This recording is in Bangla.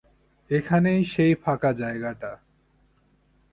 এখানেই সেই ফাঁকা জায়গাটা।